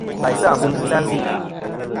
Laysɨ àfuŋ ki sɨ a se'i.